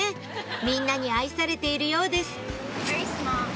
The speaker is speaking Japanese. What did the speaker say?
みんなに愛されているようです